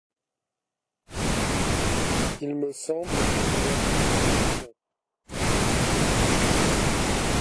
Il me semble qu'il n'y a qu'une solution.